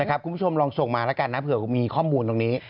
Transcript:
คุณผู้ชมลองส่งมาแล้วกันนะเผื่อมีข้อมูลตรงนี้